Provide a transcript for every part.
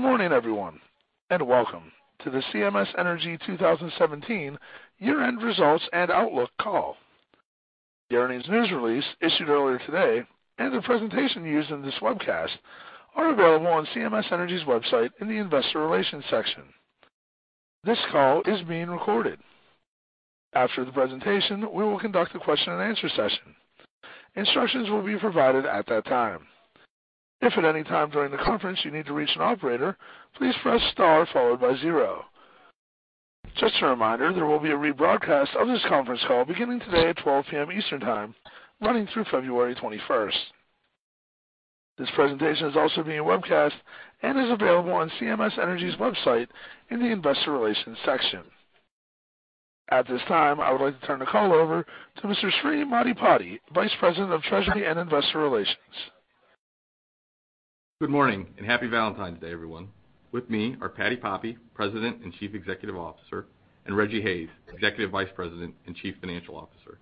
Good morning, everyone, and welcome to the CMS Energy 2017 year-end results and outlook call. The earnings news release issued earlier today and the presentation used in this webcast are available on CMS Energy's website in the investor relations section. This call is being recorded. After the presentation, we will conduct a question and answer session. Instructions will be provided at that time. If at any time during the conference you need to reach an operator, please press star followed by zero. Just a reminder, there will be a rebroadcast of this conference call beginning today at 12:00 P.M. Eastern Time, running through February 21st. This presentation is also being webcast and is available on CMS Energy's website in the investor relations section. At this time, I would like to turn the call over to Mr. Sri Maddipati, Vice President of Treasury and Investor Relations. Good morning, and happy Valentine's Day, everyone. With me are Patti Poppe, President and Chief Executive Officer, and Rejji Hayes, Executive Vice President and Chief Financial Officer.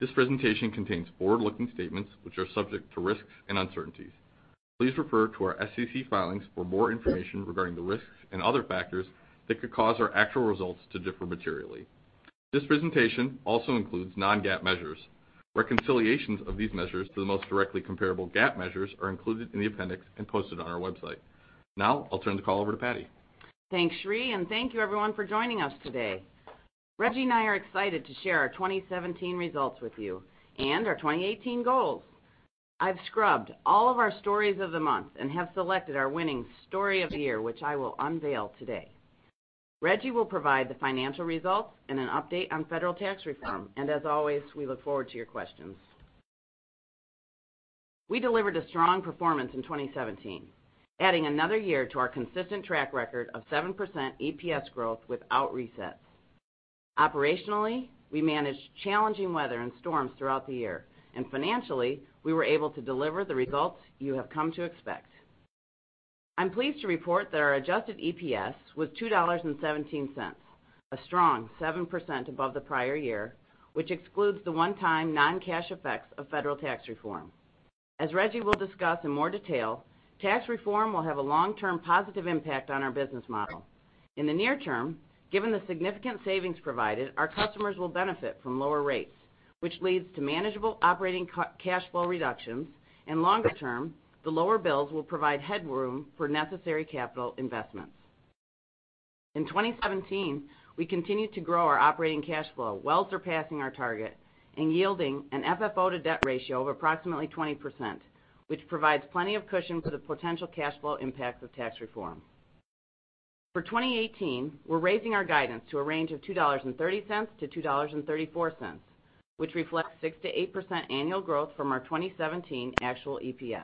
This presentation contains forward-looking statements, which are subject to risks and uncertainties. Please refer to our SEC filings for more information regarding the risks and other factors that could cause our actual results to differ materially. This presentation also includes non-GAAP measures. Reconciliations of these measures to the most directly comparable GAAP measures are included in the appendix and posted on our website. I'll turn the call over to Patti. Thanks, Sri, and thank you, everyone, for joining us today. Rejji and I are excited to share our 2017 results with you and our 2018 goals. I've scrubbed all of our stories of the month and have selected our winning story of the year, which I will unveil today. Rejji will provide the financial results and an update on federal tax reform. As always, we look forward to your questions. We delivered a strong performance in 2017, adding another year to our consistent track record of 7% EPS growth without resets. Operationally, we managed challenging weather and storms throughout the year, and financially, we were able to deliver the results you have come to expect. I'm pleased to report that our adjusted EPS was $2.17, a strong 7% above the prior year, which excludes the one-time non-cash effects of federal tax reform. As Reggie will discuss in more detail, tax reform will have a long-term positive impact on our business model. In the near term, given the significant savings provided, our customers will benefit from lower rates, which leads to manageable operating cash flow reductions, and longer term, the lower bills will provide headroom for necessary capital investments. In 2017, we continued to grow our operating cash flow, well surpassing our target and yielding an FFO to debt ratio of approximately 20%, which provides plenty of cushion for the potential cash flow impacts of tax reform. For 2018, we're raising our guidance to a range of $2.30-$2.34, which reflects 6%-8% annual growth from our 2017 actual EPS.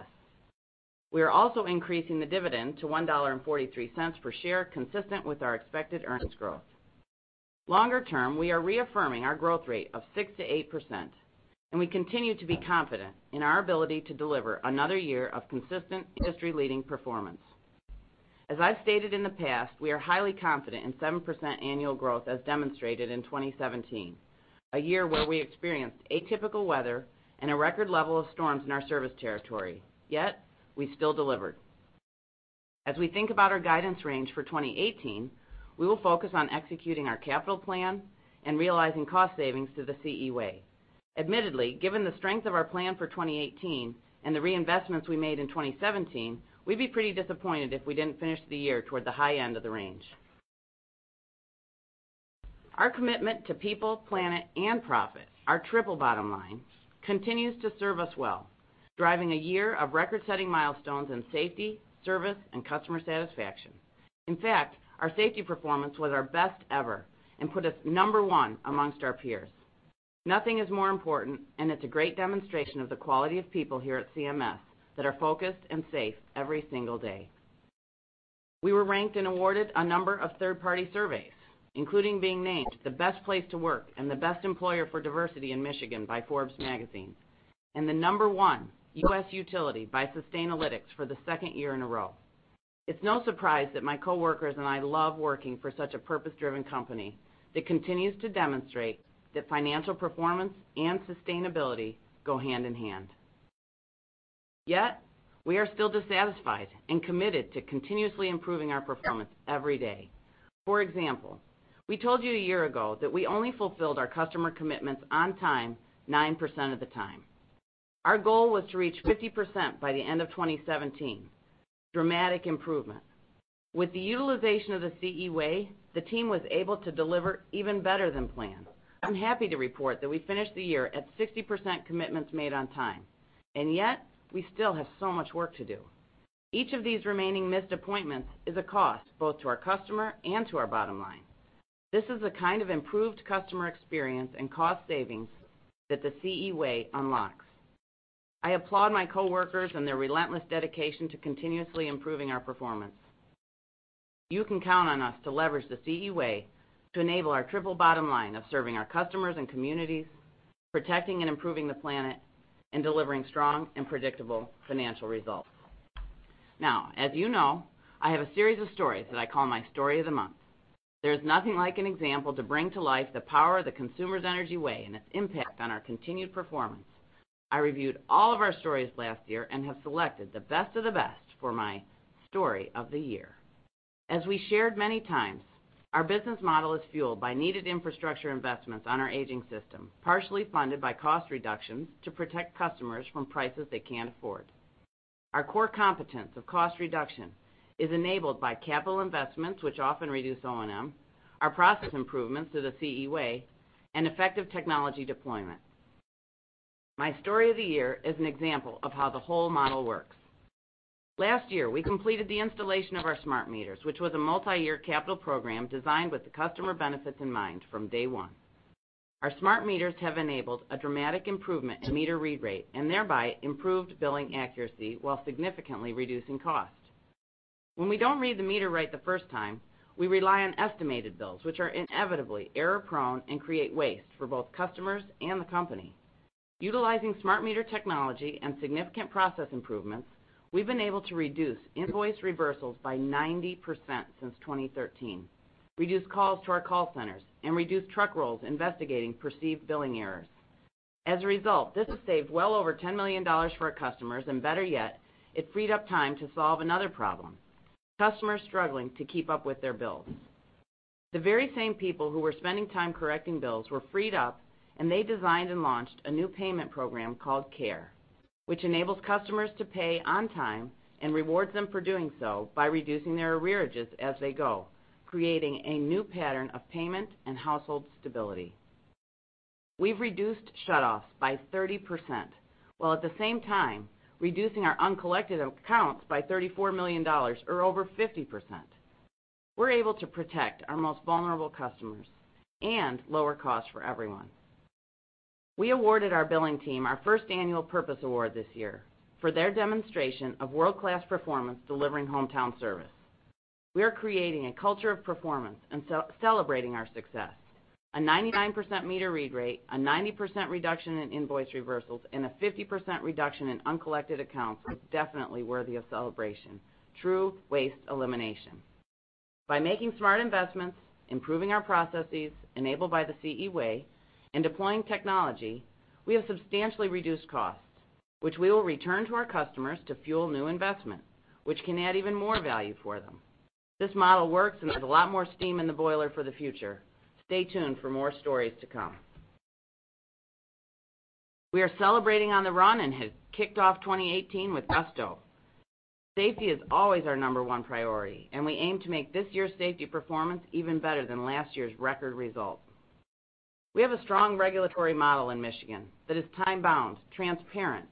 We are also increasing the dividend to $1.43 per share, consistent with our expected earnings growth. Longer term, we are reaffirming our growth rate of 6%-8%. We continue to be confident in our ability to deliver another year of consistent, industry-leading performance. As I've stated in the past, we are highly confident in 7% annual growth as demonstrated in 2017, a year where we experienced atypical weather and a record level of storms in our service territory. We still delivered. As we think about our guidance range for 2018, we will focus on executing our capital plan and realizing cost savings through the CE Way. Admittedly, given the strength of our plan for 2018 and the reinvestments we made in 2017, we'd be pretty disappointed if we didn't finish the year toward the high end of the range. Our commitment to people, planet, and profit, our triple bottom line, continues to serve us well, driving a year of record-setting milestones in safety, service, and customer satisfaction. In fact, our safety performance was our best ever and put us number one amongst our peers. Nothing is more important. It's a great demonstration of the quality of people here at CMS that are focused and safe every single day. We were ranked and awarded a number of third-party surveys, including being named the best place to work and the best employer for diversity in Michigan by Forbes magazine, and the number one U.S. utility by Sustainalytics for the second year in a row. It's no surprise that my coworkers and I love working for such a purpose-driven company that continues to demonstrate that financial performance and sustainability go hand in hand. We are still dissatisfied and committed to continuously improving our performance every day. For example, we told you a year ago that we only fulfilled our customer commitments on time 9% of the time. Our goal was to reach 50% by the end of 2017. Dramatic improvement. With the utilization of the CE Way, the team was able to deliver even better than planned. I'm happy to report that we finished the year at 60% commitments made on time. Yet, we still have so much work to do. Each of these remaining missed appointments is a cost, both to our customer and to our bottom line. This is the kind of improved customer experience and cost savings that the CE Way unlocks. I applaud my coworkers and their relentless dedication to continuously improving our performance. You can count on us to leverage the CE Way to enable our triple bottom line of serving our customers and communities, protecting and improving the planet, and delivering strong and predictable financial results. As you know, I have a series of stories that I call my story of the month. There's nothing like an example to bring to life the power of the Consumers Energy way and its impact on our continued performance. I reviewed all of our stories last year and have selected the best of the best for my story of the year. As we shared many times, our business model is fueled by needed infrastructure investments on our aging system, partially funded by cost reductions to protect customers from prices they can't afford. Our core competence of cost reduction is enabled by capital investments, which often reduce O&M, our process improvements to the CE Way, and effective technology deployment. My story of the year is an example of how the whole model works. Last year, we completed the installation of our smart meters, which was a multi-year capital program designed with the customer benefits in mind from day one. Our smart meters have enabled a dramatic improvement in meter read rate, and thereby improved billing accuracy while significantly reducing cost. When we don't read the meter right the first time, we rely on estimated bills, which are inevitably error-prone and create waste for both customers and the company. Utilizing smart meter technology and significant process improvements, we've been able to reduce invoice reversals by 90% since 2013, reduce calls to our call centers, and reduce truck rolls investigating perceived billing errors. As a result, this has saved well over $10 million for our customers. Better yet, it freed up time to solve another problem, customers struggling to keep up with their bills. The very same people who were spending time correcting bills were freed up, and they designed and launched a new payment program called CARE, which enables customers to pay on time and rewards them for doing so by reducing their arrearages as they go, creating a new pattern of payment and household stability. We've reduced shutoffs by 30%, while at the same time reducing our uncollected accounts by $34 million, or over 50%. We're able to protect our most vulnerable customers and lower costs for everyone. We awarded our billing team our first annual Purpose Award this year for their demonstration of world-class performance delivering hometown service. We are creating a culture of performance and celebrating our success. A 99% meter read rate, a 90% reduction in invoice reversals, and a 50% reduction in uncollected accounts is definitely worthy of celebration. True waste elimination. By making smart investments, improving our processes, enabled by the CE Way, deploying technology, we have substantially reduced costs, which we will return to our customers to fuel new investment, which can add even more value for them. This model works, there's a lot more steam in the boiler for the future. Stay tuned for more stories to come. We are celebrating on the run and have kicked off 2018 with gusto. Safety is always our number one priority, we aim to make this year's safety performance even better than last year's record result. We have a strong regulatory model in Michigan that is time-bound, transparent,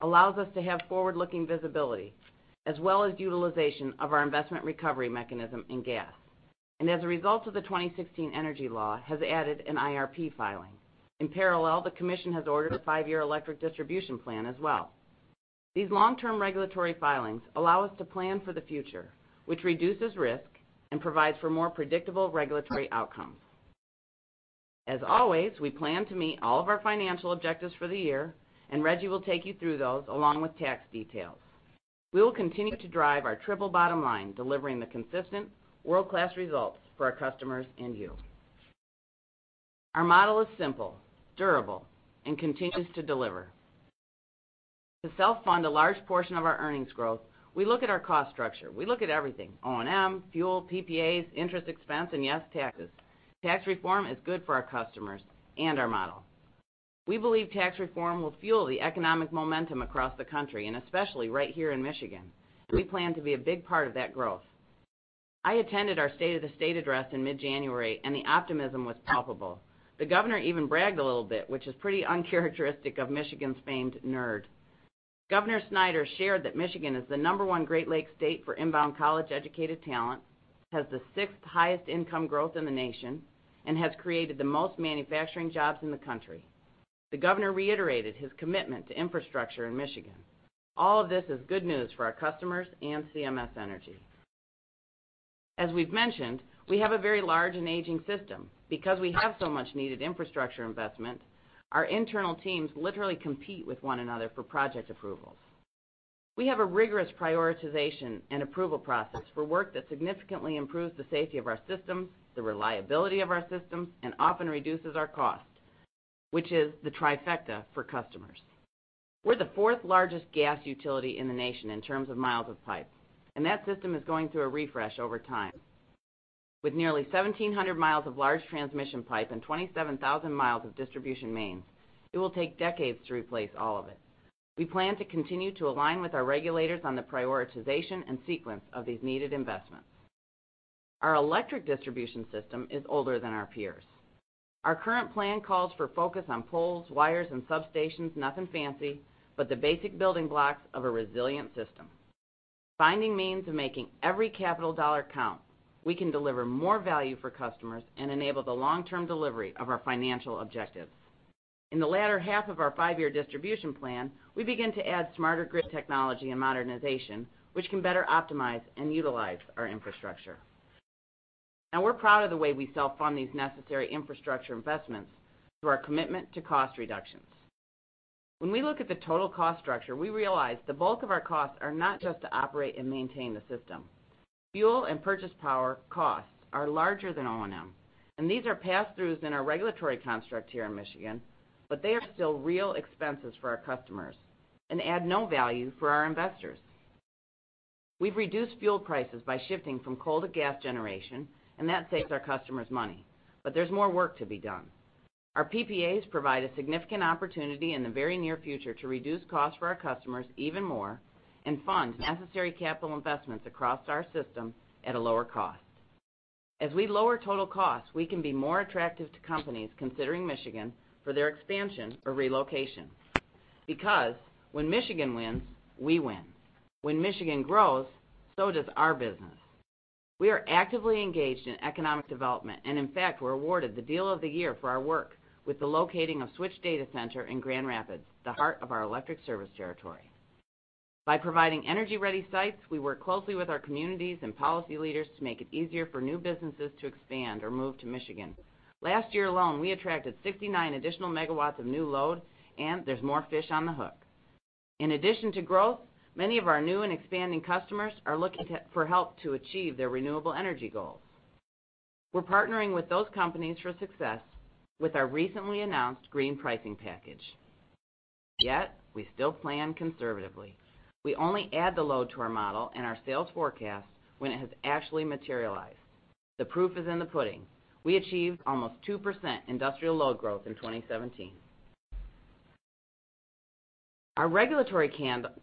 allows us to have forward-looking visibility, as well as utilization of our investment recovery mechanism in gas. As a result of the 2016 Energy Law, has added an IRP filing. In parallel, the commission has ordered a five-year electric distribution plan as well. These long-term regulatory filings allow us to plan for the future, which reduces risk and provides for more predictable regulatory outcomes. As always, we plan to meet all of our financial objectives for the year, Rejji will take you through those along with tax details. We will continue to drive our triple bottom line, delivering the consistent world-class results for our customers and you. Our model is simple, durable, continues to deliver. To self-fund a large portion of our earnings growth, we look at our cost structure. We look at everything, O&M, fuel, PPAs, interest expense, and yes, taxes. Tax reform is good for our customers and our model. We believe tax reform will fuel the economic momentum across the country, and especially right here in Michigan. We plan to be a big part of that growth. I attended our State of the State address in mid-January and the optimism was palpable. The Governor even bragged a little bit, which is pretty uncharacteristic of Michigan's famed nerd. Governor Snyder shared that Michigan is the number one Great Lakes state for inbound college-educated talent, has the sixth highest income growth in the nation, and has created the most manufacturing jobs in the country. The Governor reiterated his commitment to infrastructure in Michigan. All of this is good news for our customers and CMS Energy. As we've mentioned, we have a very large and aging system. We have so much needed infrastructure investment, our internal teams literally compete with one another for project approvals. We have a rigorous prioritization and approval process for work that significantly improves the safety of our systems, the reliability of our systems, and often reduces our cost, which is the trifecta for customers. We're the fourth-largest gas utility in the nation in terms of miles of pipe, and that system is going through a refresh over time. With nearly 1,700 miles of large transmission pipe and 27,000 miles of distribution mains, it will take decades to replace all of it. We plan to continue to align with our regulators on the prioritization and sequence of these needed investments. Our electric distribution system is older than our peers. Our current plan calls for focus on poles, wires, and substations. Nothing fancy, but the basic building blocks of a resilient system. Finding means of making every capital dollar count, we can deliver more value for customers and enable the long-term delivery of our financial objectives. In the latter half of our five-year distribution plan, we begin to add smarter grid technology and modernization, which can better optimize and utilize our infrastructure. We're proud of the way we self-fund these necessary infrastructure investments through our commitment to cost reductions. We look at the total cost structure, we realize the bulk of our costs are not just to operate and maintain the system. Fuel and purchase power costs are larger than O&M, and these are passthroughs in our regulatory construct here in Michigan. They are still real expenses for our customers and add no value for our investors. We've reduced fuel prices by shifting from coal to gas generation. That saves our customers money. There's more work to be done. Our PPAs provide a significant opportunity in the very near future to reduce costs for our customers even more and fund necessary capital investments across our system at a lower cost. We lower total costs, we can be more attractive to companies considering Michigan for their expansion or relocation. When Michigan wins, we win. Michigan grows, so does our business. We are actively engaged in economic development, and in fact, were awarded the Deal of the Year for our work with the locating of Switch Data Center in Grand Rapids, the heart of our electric service territory. By providing energy-ready sites, we work closely with our communities and policy leaders to make it easier for new businesses to expand or move to Michigan. Last year alone, we attracted 69 additional megawatts of new load. There's more fish on the hook. In addition to growth, many of our new and expanding customers are looking for help to achieve their renewable energy goals. We're partnering with those companies for success with our recently announced green pricing package. We still plan conservatively. We only add the load to our model and our sales forecast when it has actually materialized. The proof is in the pudding. We achieved almost 2% industrial load growth in 2017. Our regulatory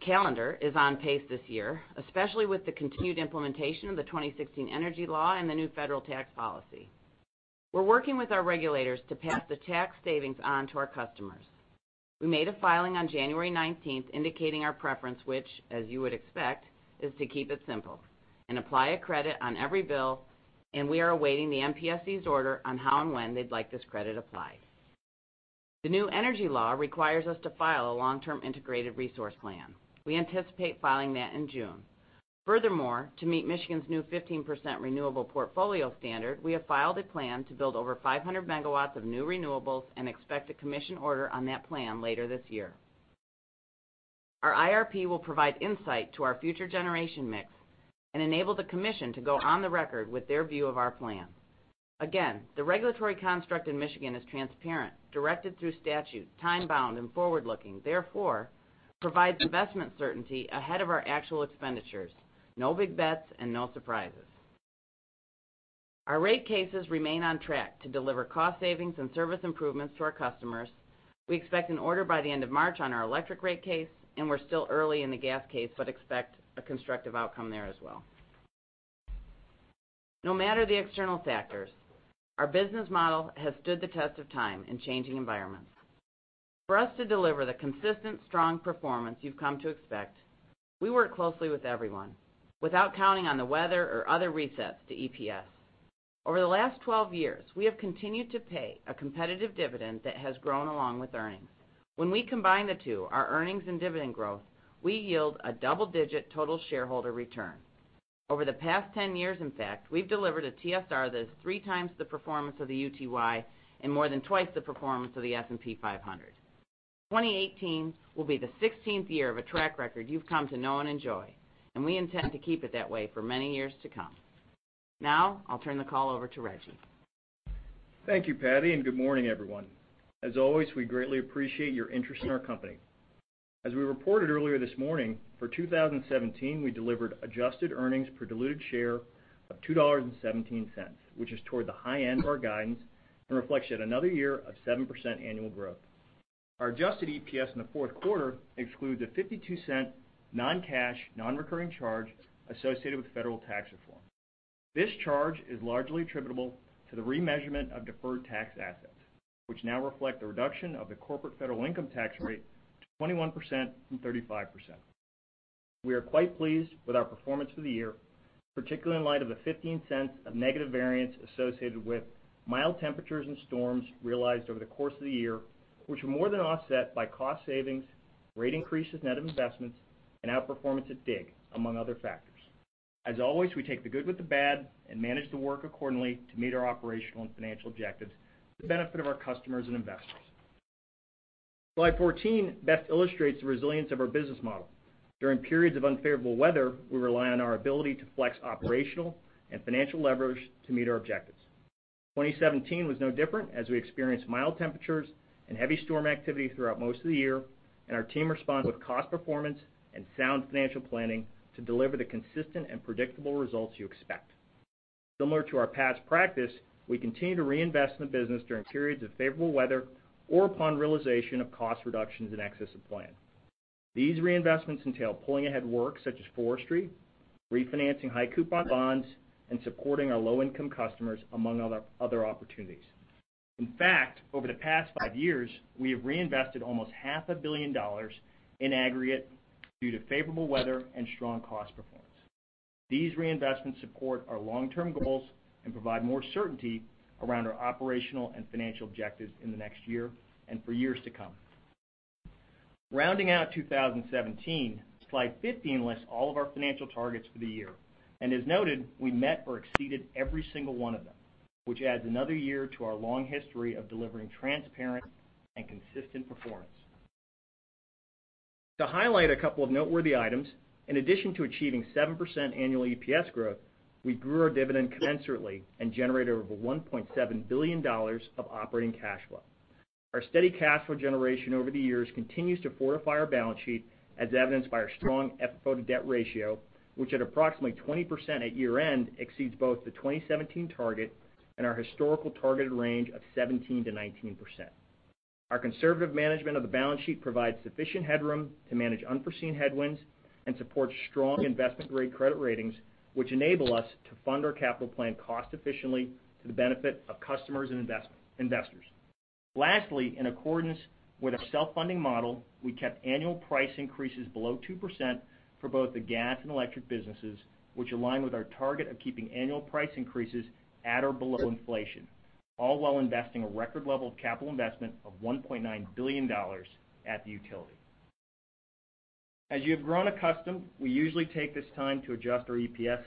calendar is on pace this year, especially with the continued implementation of the 2016 Energy Law and the new federal tax policy. We're working with our regulators to pass the tax savings on to our customers. We made a filing on January 19th indicating our preference, which, as you would expect, is to keep it simple and apply a credit on every bill. We are awaiting the MPSC's order on how and when they'd like this credit applied. The new energy law requires us to file a long-term integrated resource plan. We anticipate filing that in June. To meet Michigan's new 15% renewable portfolio standard, we have filed a plan to build over 500 megawatts of new renewables and expect a commission order on that plan later this year. Our IRP will provide insight to our future generation mix and enable the commission to go on the record with their view of our plan. The regulatory construct in Michigan is transparent, directed through statute, time-bound, and forward-looking, therefore, provides investment certainty ahead of our actual expenditures. No big bets and no surprises. Our rate cases remain on track to deliver cost savings and service improvements to our customers. We expect an order by the end of March on our electric rate case. We're still early in the gas case, but expect a constructive outcome there as well. No matter the external factors, our business model has stood the test of time in changing environments. For us to deliver the consistent, strong performance you've come to expect, we work closely with everyone without counting on the weather or other resets to EPS. Over the last 12 years, we have continued to pay a competitive dividend that has grown along with earnings. When we combine the two, our earnings and dividend growth, we yield a double-digit total shareholder return. Over the past 10 years, in fact, we've delivered a TSR that is three times the performance of the UTY and more than twice the performance of the S&P 500. 2018 will be the 16th year of a track record you've come to know and enjoy. We intend to keep it that way for many years to come. I'll turn the call over to Rejji. Thank you, Patti, and good morning, everyone. As always, we greatly appreciate your interest in our company. As we reported earlier this morning, for 2017, we delivered adjusted earnings per diluted share of $2.17, which is toward the high end of our guidance and reflects yet another year of 7% annual growth. Our adjusted EPS in the fourth quarter excludes a $0.52 non-cash, non-recurring charge associated with federal tax reform. This charge is largely attributable to the remeasurement of deferred tax assets, which now reflect the reduction of the corporate federal income tax rate to 21% from 35%. We are quite pleased with our performance for the year, particularly in light of the $0.15 of negative variance associated with mild temperatures and storms realized over the course of the year, which were more than offset by cost savings, rate increases, net investments, and outperformance at DIG, among other factors. As always, we take the good with the bad and manage the work accordingly to meet our operational and financial objectives for the benefit of our customers and investors. Slide 14 best illustrates the resilience of our business model. During periods of unfavorable weather, we rely on our ability to flex operational and financial leverage to meet our objectives. 2017 was no different, as we experienced mild temperatures and heavy storm activity throughout most of the year. Our team responded with cost performance and sound financial planning to deliver the consistent and predictable results you expect. Similar to our past practice, we continue to reinvest in the business during periods of favorable weather or upon realization of cost reductions in excess of plan. These reinvestments entail pulling ahead work such as forestry, refinancing high-coupon bonds, and supporting our low-income customers, among other opportunities. In fact, over the past five years, we have reinvested almost half a billion dollars in aggregate due to favorable weather and strong cost performance. These reinvestments support our long-term goals and provide more certainty around our operational and financial objectives in the next year and for years to come. Rounding out 2017, Slide 15 lists all of our financial targets for the year. As noted, we met or exceeded every single one of them. Which adds another year to our long history of delivering transparent and consistent performance. To highlight a couple of noteworthy items, in addition to achieving 7% annual EPS growth, we grew our dividend commensurately and generated over $1.7 billion of operating cash flow. Our steady cash flow generation over the years continues to fortify our balance sheet, as evidenced by our strong FFO debt ratio, which at approximately 20% at year-end, exceeds both the 2017 target and our historical targeted range of 17%-19%. Our conservative management of the balance sheet provides sufficient headroom to manage unforeseen headwinds and supports strong investment-grade credit ratings, which enable us to fund our capital plan cost efficiently to the benefit of customers and investors. Lastly, in accordance with our self-funding model, we kept annual price increases below 2% for both the gas and electric businesses, which align with our target of keeping annual price increases at or below inflation, all while investing a record level of capital investment of $1.9 billion at the utility. As you have grown accustomed, we usually take this time to adjust our EPS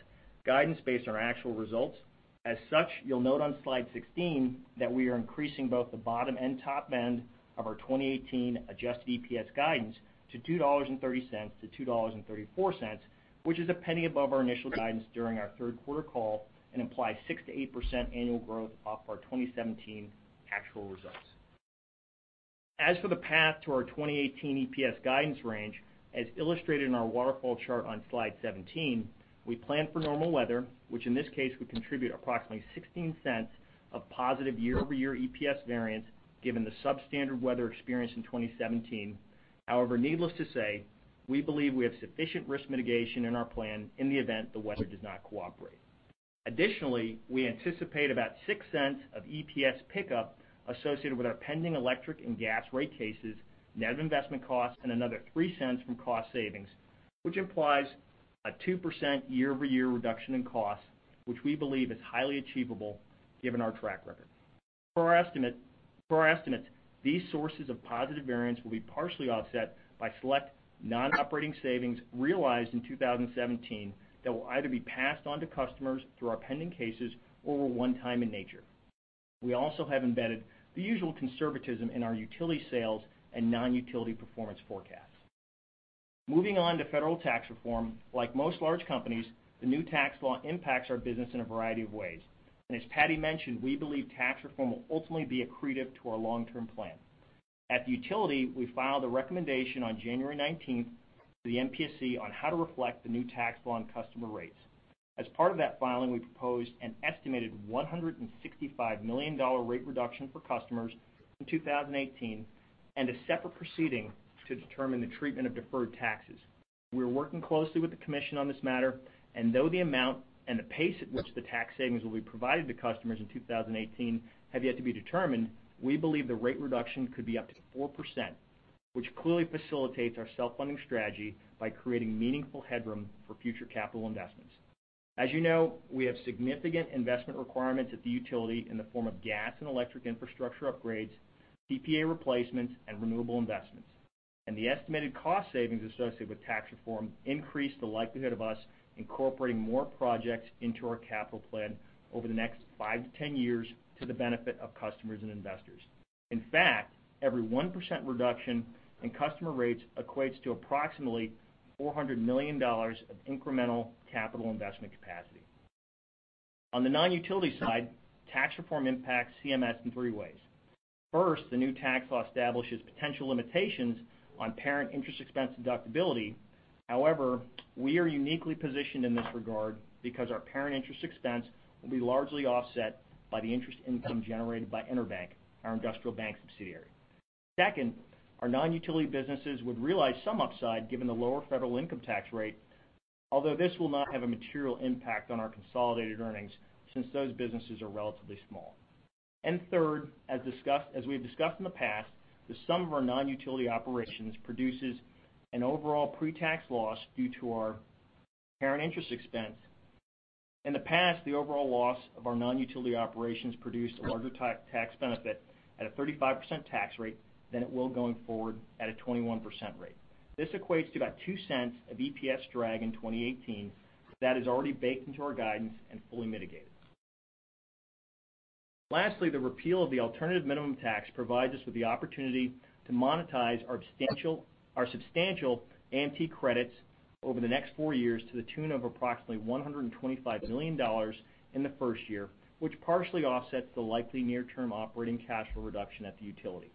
guidance based on our actual results. As such, you'll note on slide 16 that we are increasing both the bottom and top end of our 2018 adjusted EPS guidance to $2.30-$2.34, which is $0.01 above our initial guidance during our third-quarter call and implies 6%-8% annual growth off our 2017 actual results. As for the path to our 2018 EPS guidance range, as illustrated in our waterfall chart on slide 17, we plan for normal weather, which in this case, would contribute approximately $0.16 of positive year-over-year EPS variance, given the substandard weather experienced in 2017. Needless to say, we believe we have sufficient risk mitigation in our plan in the event the weather does not cooperate. Additionally, we anticipate about $0.06 of EPS pickup associated with our pending electric and gas rate cases, net investment costs, and another $0.03 from cost savings, which implies a 2% year-over-year reduction in costs, which we believe is highly achievable given our track record. Per our estimates, these sources of positive variance will be partially offset by select non-operating savings realized in 2017 that will either be passed on to customers through our pending cases or were one-time in nature. We also have embedded the usual conservatism in our utility sales and non-utility performance forecast. Moving on to federal tax reform, like most large companies, the new tax law impacts our business in a variety of ways. As Patti mentioned, we believe tax reform will ultimately be accretive to our long-term plan. At the utility, we filed a recommendation on January 19th to the MPSC on how to reflect the new tax law on customer rates. As part of that filing, we proposed an estimated $165 million rate reduction for customers in 2018 and a separate proceeding to determine the treatment of deferred taxes. We're working closely with the commission on this matter, though the amount and the pace at which the tax savings will be provided to customers in 2018 have yet to be determined, we believe the rate reduction could be up to 4%, which clearly facilitates our self-funding strategy by creating meaningful headroom for future capital investments. As you know, we have significant investment requirements at the utility in the form of gas and electric infrastructure upgrades, PPA replacements, and renewable investments. The estimated cost savings associated with tax reform increase the likelihood of us incorporating more projects into our capital plan over the next five to 10 years to the benefit of customers and investors. In fact, every 1% reduction in customer rates equates to approximately $400 million of incremental capital investment capacity. On the non-utility side, tax reform impacts CMS in three ways. First, the new tax law establishes potential limitations on parent interest expense deductibility. We are uniquely positioned in this regard because our parent interest expense will be largely offset by the interest income generated by EnerBank, our industrial bank subsidiary. Second, our non-utility businesses would realize some upside given the lower federal income tax rate, although this will not have a material impact on our consolidated earnings since those businesses are relatively small. Third, as we have discussed in the past, the sum of our non-utility operations produces an overall pre-tax loss due to our parent interest expense. In the past, the overall loss of our non-utility operations produced a larger tax benefit at a 35% tax rate than it will going forward at a 21% rate. This equates to about $0.02 of EPS drag in 2018 that is already baked into our guidance and fully mitigated. Lastly, the repeal of the alternative minimum tax provides us with the opportunity to monetize our substantial AMT credits over the next 4 years to the tune of approximately $125 million in the first year, which partially offsets the likely near-term operating cash flow reduction at the utility.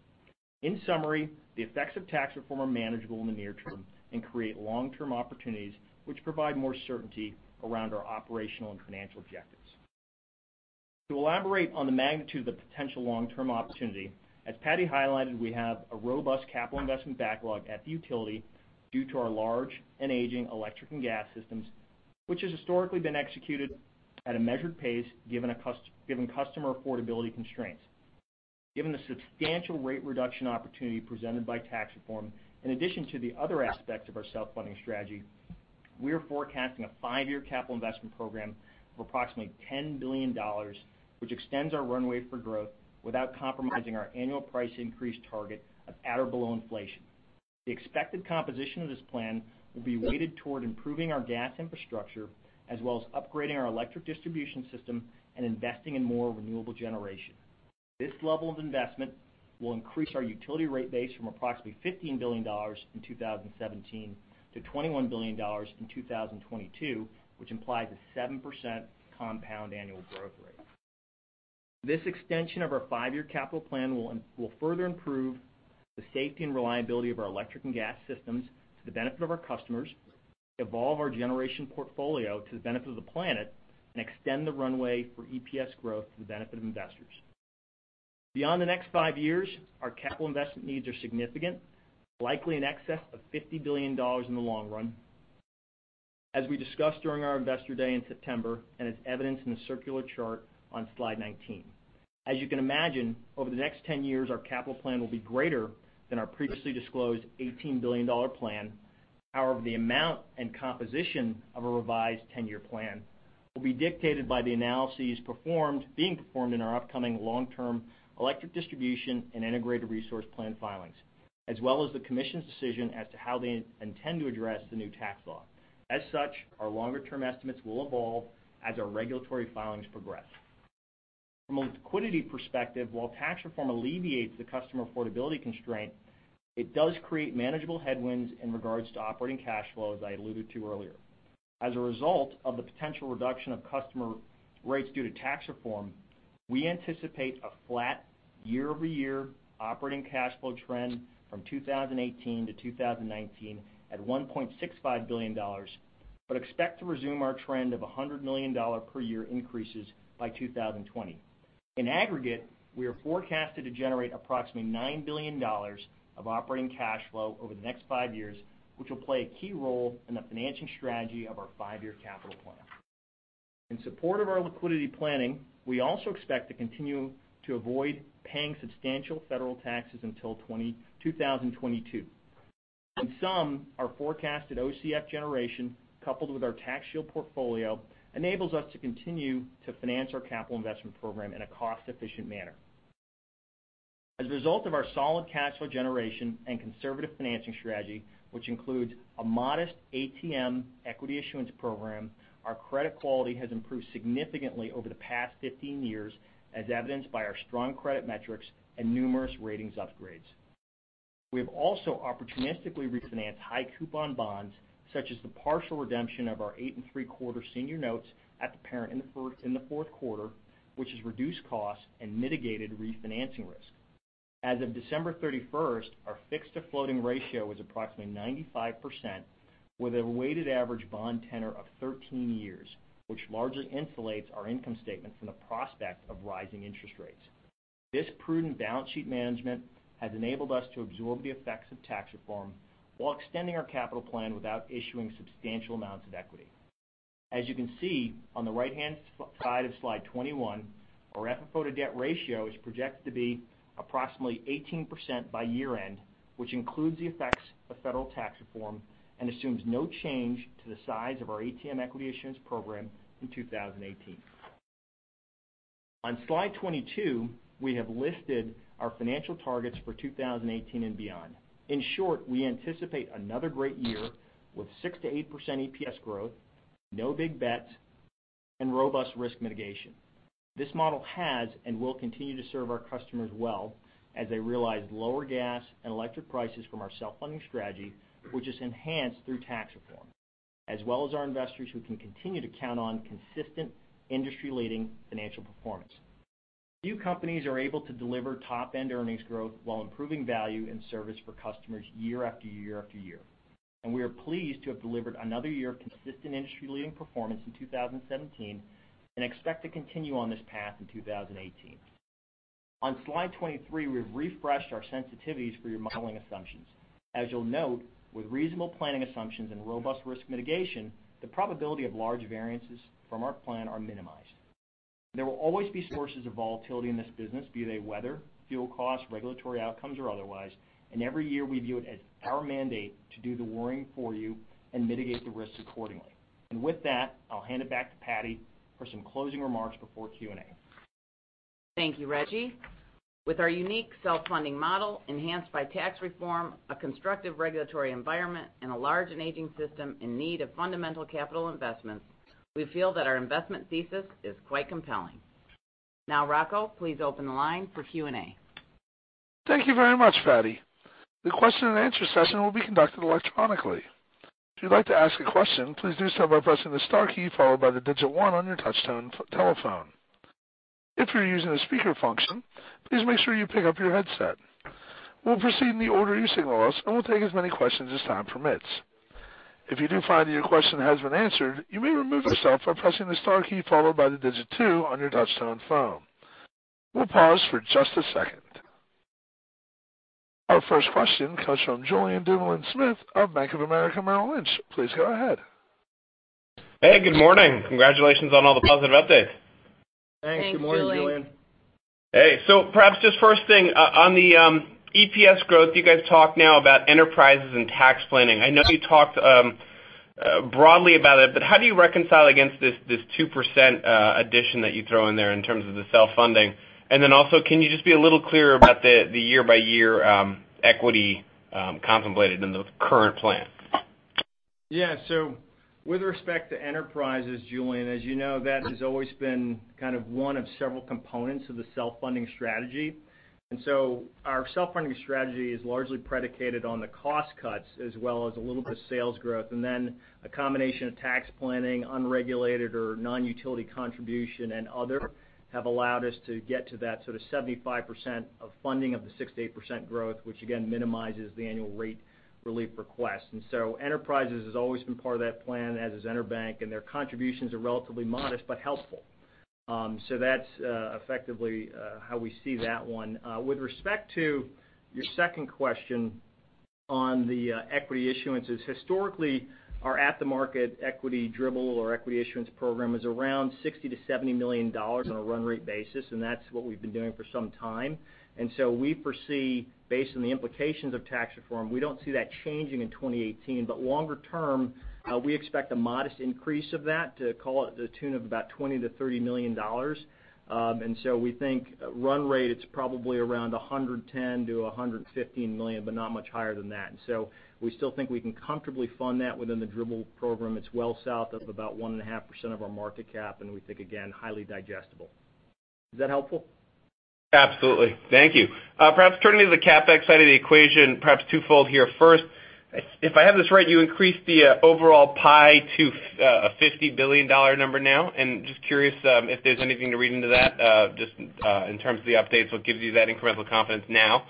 In summary, the effects of tax reform are manageable in the near term and create long-term opportunities which provide more certainty around our operational and financial objectives. To elaborate on the magnitude of the potential long-term opportunity, as Patti highlighted, we have a robust capital investment backlog at the utility due to our large and aging electric and gas systems, which has historically been executed at a measured pace given customer affordability constraints. Given the substantial rate reduction opportunity presented by tax reform, in addition to the other aspects of our self-funding strategy, we are forecasting a five-year capital investment program of approximately $10 billion, which extends our runway for growth without compromising our annual price increase target of at or below inflation. The expected composition of this plan will be weighted toward improving our gas infrastructure, as well as upgrading our electric distribution system and investing in more renewable generation. This level of investment will increase our utility rate base from approximately $15 billion in 2017 to $21 billion in 2022, which implies a 7% compound annual growth rate. This extension of our five-year capital plan will further improve the safety and reliability of our electric and gas systems to the benefit of our customers, evolve our generation portfolio to the benefit of the planet, and extend the runway for EPS growth to the benefit of investors. Beyond the next five years, our capital investment needs are significant, likely in excess of $50 billion in the long run, as we discussed during our investor day in September, and as evidenced in the circular chart on slide 19. As you can imagine, over the next 10 years, our capital plan will be greater than our previously disclosed $18 billion plan. The amount and composition of a revised 10-year plan will be dictated by the analyses being performed in our upcoming long-term electric distribution and integrated resource plan filings, as well as the commission's decision as to how they intend to address the new tax law. As such, our longer-term estimates will evolve as our regulatory filings progress. From a liquidity perspective, while tax reform alleviates the customer affordability constraint, it does create manageable headwinds in regards to operating cash flow, as I alluded to earlier. As a result of the potential reduction of customer rates due to tax reform, we anticipate a flat year-over-year operating cash flow trend from 2018 to 2019 at $1.65 billion, but expect to resume our trend of $100 million per year increases by 2020. In aggregate, we are forecasted to generate approximately $9 billion of operating cash flow over the next five years, which will play a key role in the financing strategy of our five-year capital plan. In support of our liquidity planning, we also expect to continue to avoid paying substantial federal taxes until 2022. In sum, our forecasted OCF generation, coupled with our tax shield portfolio, enables us to continue to finance our capital investment program in a cost-efficient manner. As a result of our solid cash flow generation and conservative financing strategy, which includes a modest ATM equity issuance program, our credit quality has improved significantly over the past 15 years, as evidenced by our strong credit metrics and numerous ratings upgrades. We have also opportunistically refinanced high-coupon bonds, such as the partial redemption of our 8.75% senior notes at the parent in the fourth quarter, which has reduced costs and mitigated refinancing risk. As of December 31st, our fixed-to-floating ratio was approximately 95%, with a weighted average bond tenor of 13 years, which largely insulates our income statement from the prospect of rising interest rates. This prudent balance sheet management has enabled us to absorb the effects of tax reform while extending our capital plan without issuing substantial amounts of equity. As you can see on the right-hand side of slide 21, our FFO to debt ratio is projected to be approximately 18% by year-end, which includes the effects of federal tax reform and assumes no change to the size of our ATM equity issuance program in 2018. On slide 22, we have listed our financial targets for 2018 and beyond. In short, we anticipate another great year with 6%-8% EPS growth, no big bets, and robust risk mitigation. This model has and will continue to serve our customers well as they realize lower gas and electric prices from our self-funding strategy, which is enhanced through tax reform, as well as our investors who can continue to count on consistent, industry-leading financial performance. Few companies are able to deliver top-end earnings growth while improving value and service for customers year after year after year, and we are pleased to have delivered another year of consistent, industry-leading performance in 2017 and expect to continue on this path in 2018. On slide 23, we've refreshed our sensitivities for your modeling assumptions. As you'll note, with reasonable planning assumptions and robust risk mitigation, the probability of large variances from our plan are minimized. There will always be sources of volatility in this business, be they weather, fuel costs, regulatory outcomes, or otherwise, and every year we view it as our mandate to do the worrying for you and mitigate the risks accordingly. With that, I'll hand it back to Patti for some closing remarks before Q&A. Thank you, Rejji. With our unique self-funding model enhanced by tax reform, a constructive regulatory environment, and a large and aging system in need of fundamental capital investments, we feel that our investment thesis is quite compelling. Now, Rocco, please open the line for Q&A. Thank you very much, Patti. The question and answer session will be conducted electronically. If you'd like to ask a question, please do so by pressing the star key followed by the digit 1 on your touchtone telephone. If you're using the speaker function, please make sure you pick up your headset. We'll proceed in the order you signal us, and we'll take as many questions as time permits. If you do find that your question has been answered, you may remove yourself by pressing the star key followed by the digit 2 on your touchtone phone. We'll pause for just a second. Our first question comes from Julien Dumoulin-Smith of Bank of America Merrill Lynch. Please go ahead. Hey, good morning. Congratulations on all the positive updates. Thanks. Good morning, Julien. Thanks, Julien. Hey. Perhaps just first thing, on the EPS growth, you guys talk now about enterprises and tax planning. I know you talked broadly about it, but how do you reconcile against this 2% addition that you throw in there in terms of the self-funding? Also, can you just be a little clearer about the year-by-year equity contemplated in the current plan? Yeah. With respect to enterprises, Julien, as you know, that has always been one of several components of the self-funding strategy. Our self-funding strategy is largely predicated on the cost cuts as well as a little bit of sales growth. A combination of tax planning, unregulated or non-utility contribution, and other have allowed us to get to that sort of 75% of funding of the 6%-8% growth, which again, minimizes the annual rate relief request. Enterprises has always been part of that plan, as has EnerBank, and their contributions are relatively modest but helpful. That's effectively how we see that one. With respect to your second question on the equity issuances, historically, our at-the-market equity dribble or equity issuance program is around $60 million-$70 million on a run rate basis, and that's what we've been doing for some time. We foresee, based on the implications of tax reform, we don't see that changing in 2018. Longer term, we expect a modest increase of that to call it the tune of about $20 million-$30 million. We think run rate, it's probably around $110 million-$150 million, but not much higher than that. We still think we can comfortably fund that within the dribble program. It's well south of about 1.5% of our market cap, and we think, again, highly digestible. Is that helpful? Absolutely. Thank you. Perhaps turning to the CapEx side of the equation, perhaps twofold here. First, if I have this right, you increased the overall pie to a $50 billion number now. Just curious if there's anything to read into that, just in terms of the updates, what gives you that incremental confidence now?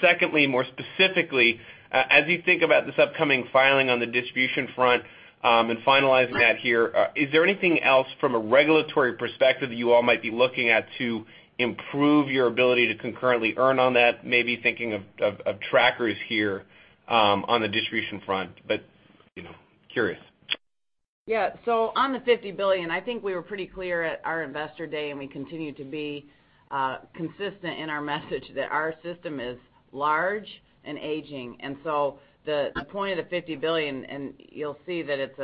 Secondly, more specifically, as you think about this upcoming filing on the distribution front and finalizing that here, is there anything else from a regulatory perspective that you all might be looking at to improve your ability to concurrently earn on that? Maybe thinking of trackers here on the distribution front, curious. Yeah. On the $50 billion, I think we were pretty clear at our investor day, and we continue to be consistent in our message that our system is large and aging. The point of the $50 billion, and you'll see that it's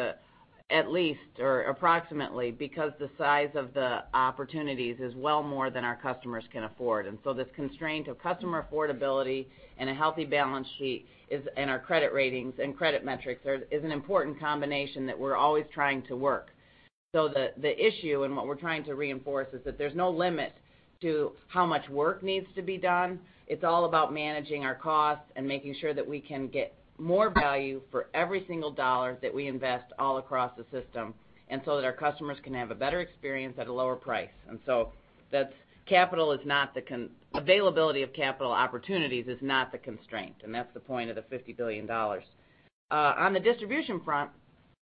at least or approximately because the size of the opportunities is well more than our customers can afford. This constraint of customer affordability and a healthy balance sheet and our credit ratings and credit metrics is an important combination that we're always trying to work. The issue, and what we're trying to reinforce, is that there's no limit to how much work needs to be done. It's all about managing our costs and making sure that we can get more value for every single dollar that we invest all across the system, and so that our customers can have a better experience at a lower price. Availability of capital opportunities is not the constraint, and that's the point of the $50 billion. On the distribution front,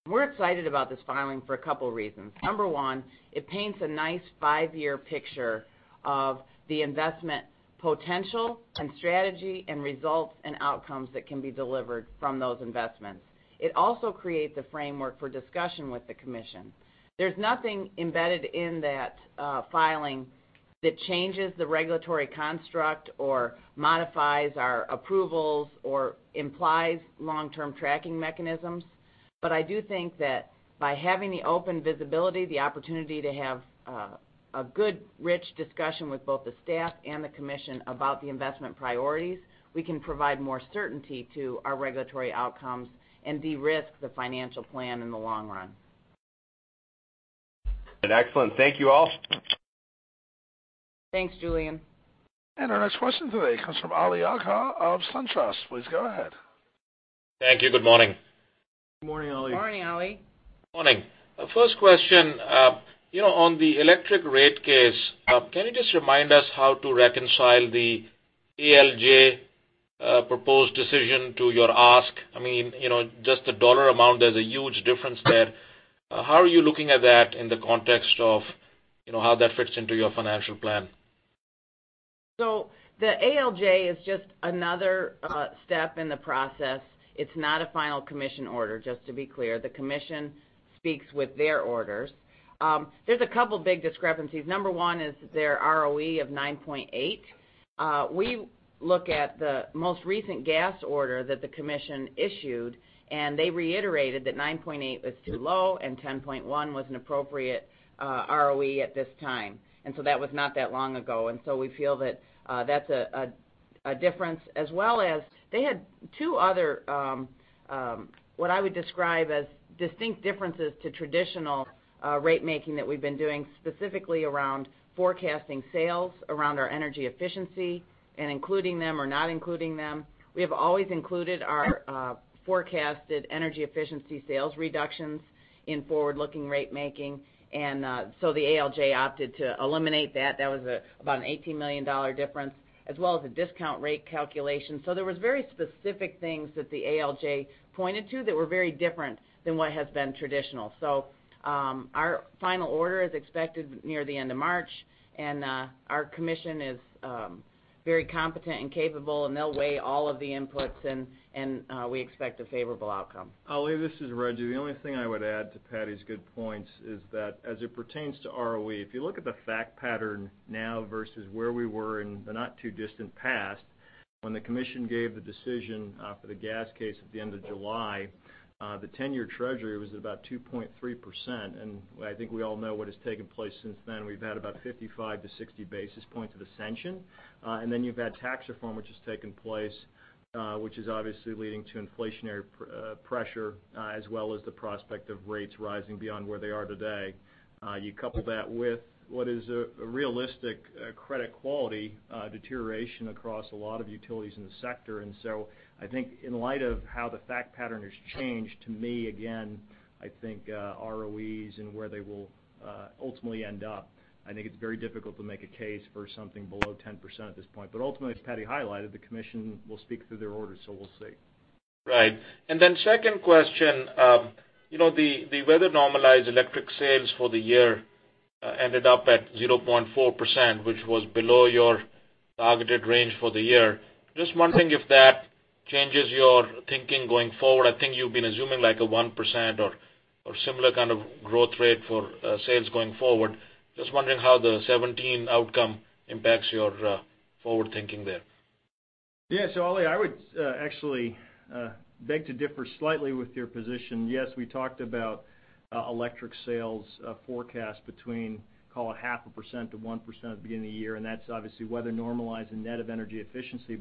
we're excited about this filing for a couple of reasons. Number one, it paints a nice five-year picture of the investment potential and strategy and results and outcomes that can be delivered from those investments. It also creates a framework for discussion with the commission. There's nothing embedded in that filing that changes the regulatory construct or modifies our approvals or implies long-term tracking mechanisms. I do think that by having the open visibility, the opportunity to have a good, rich discussion with both the staff and the commission about the investment priorities, we can provide more certainty to our regulatory outcomes and de-risk the financial plan in the long run. Excellent. Thank you all. Thanks, Julien. Our next question today comes from Ali Agha of SunTrust. Please go ahead. Thank you. Good morning. Good morning, Ali. Morning, Ali. Morning. First question, on the electric rate case, can you just remind us how to reconcile the ALJ proposed decision to your ask? Just the dollar amount, there's a huge difference there. How are you looking at that in the context of how that fits into your financial plan? The ALJ is just another step in the process. It's not a final Commission order, just to be clear. The Commission speaks with their orders. There's a couple big discrepancies. Number one is their ROE of 9.8%. We look at the most recent gas order that the Commission issued, and they reiterated that 9.8% was too low and 10.1% was an appropriate ROE at this time. That was not that long ago, and we feel that that's a difference. As well as they had two other, what I would describe as distinct differences to traditional rate making that we've been doing, specifically around forecasting sales around our energy efficiency and including them or not including them. We have always included our forecasted energy efficiency sales reductions in forward-looking rate making. The ALJ opted to eliminate that. That was about an $18 million difference as well as a discount rate calculation. There was very specific things that the ALJ pointed to that were very different than what has been traditional. Our final order is expected near the end of March, and our commission is very competent and capable, and they'll weigh all of the inputs, and we expect a favorable outcome. Ali, this is Rejji. The only thing I would add to Patti's good points is that as it pertains to ROE, if you look at the fact pattern now versus where we were in the not-too-distant past when the commission gave the decision for the gas case at the end of July, the 10-year Treasury was about 2.3%. I think we all know what has taken place since then. We've had about 55 to 60 basis points of ascension. Then you've had tax reform, which has taken place, which is obviously leading to inflationary pressure as well as the prospect of rates rising beyond where they are today. You couple that with what is a realistic credit quality deterioration across a lot of utilities in the sector. I think in light of how the fact pattern has changed, to me, again, I think ROEs and where they will ultimately end up, I think it's very difficult to make a case for something below 10% at this point. Ultimately, as Patti highlighted, the commission will speak through their orders, so we'll see. Right. Second question, the weather-normalized electric sales for the year ended up at 0.4%, which was below your targeted range for the year. Just wondering if that changes your thinking going forward. I think you've been assuming like a 1% or similar kind of growth rate for sales going forward. Just wondering how the 2017 outcome impacts your forward thinking there. Yeah. Ali, I would actually beg to differ slightly with your position. Yes, we talked about electric sales forecast between, call it half a percent to 1% at the beginning of the year, that's obviously weather normalized and net of energy efficiency.